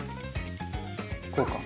こうか。